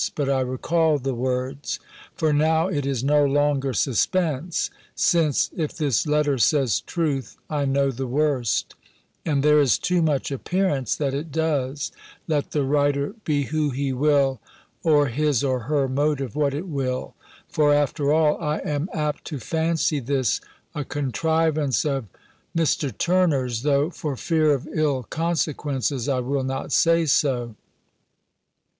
But I recall the words: for now it is no longer suspense; since, if this letter says truth, I know the worst: and there is too much appearance that it does, let the writer be who he will, or his or her motive what it will: for, after all, I am apt to fancy this a contrivance of Mr. Turner's, though, for fear of ill consequences, I will not say so.